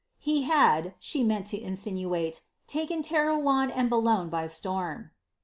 '' He had, she meant to iisinuate, taken Terrouenne and Boulogne by storm.